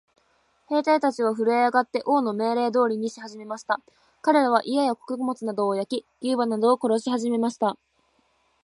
兵隊たちはふるえ上って、王の命令通りにしはじめました。かれらは、家や穀物などを焼き、牛馬などを殺しはじめました。